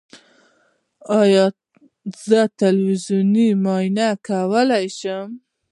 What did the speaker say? ایا زه تلویزیوني معاینه کولی شم؟